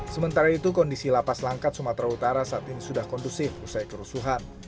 sementara itu kondisi lapas langkat sumatera utara saat ini sudah kondusif usai kerusuhan